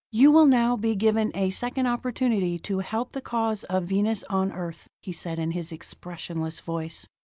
"You will now be given a second opportunity to help the cause of Venus on Earth," he said in his expressionless voice.